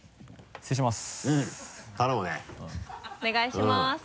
失礼します。